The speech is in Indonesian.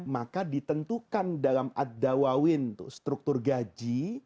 maka ditentukan dalam ad dawawin struktur gaji